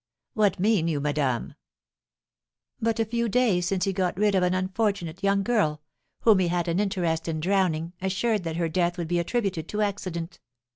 "What mean you, madame?" "But a few days since he got rid of an unfortunate young girl, whom he had an interest in drowning, assured that her death would be attributed to accident."